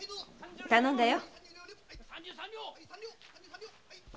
頼んだよ。